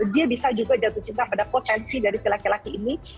dia bisa juga jatuh cinta pada potensi dari si laki laki ini